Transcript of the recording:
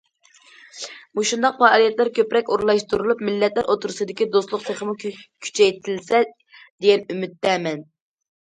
مۇشۇنداق پائالىيەتلەر كۆپرەك ئورۇنلاشتۇرۇلۇپ، مىللەتلەر ئوتتۇرىسىدىكى دوستلۇق تېخىمۇ كۈچەيتىلسە، دېگەن ئۈمىدتە مەن.